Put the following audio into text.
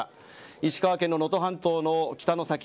石川県の能登半島の北の先